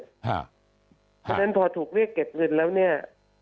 เพราะฉะนั้นพอถูกเรียกเก็บเงินแล้วเนี่ย